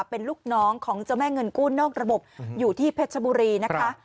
เป็นลูกน้องของเจ้าแม่เงินกู้นอกระบบอยู่ที่เพชรบุรีนะคะ